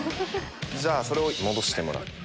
じゃあそれを戻してもらって。